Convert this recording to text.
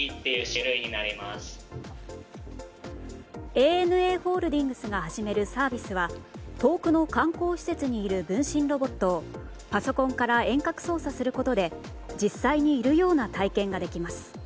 ＡＮＡホールディングスが始めるサービスは遠くの観光施設にいる分身ロボットをパソコンから遠隔操作することで実際にいるような体験ができます。